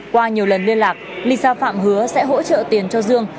qua nhiều lần liên lạc lisa phạm hứa sẽ hỗ trợ tiền cho dương